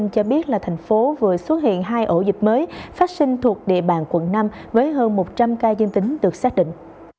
cho biết là thành phố vừa xuất hiện hai ổ dịch mới phát sinh thuộc địa bàn quận năm với hơn một trăm linh ca dương tính được xác định